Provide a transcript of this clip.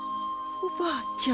おばあちゃん